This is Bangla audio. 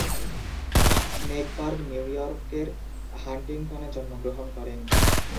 শ্নেকবার্গ নিউ ইয়র্কের হান্টিংটনে জন্মগ্রহণ করেন।